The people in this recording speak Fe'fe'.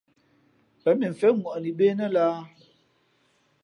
Pěn mʉnfén ŋwαʼni bê nά lāhā ?